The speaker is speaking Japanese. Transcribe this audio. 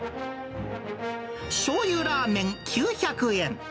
しょうゆラーメン９００円。